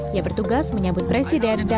ia bertugas menyambut presiden dan wakilnya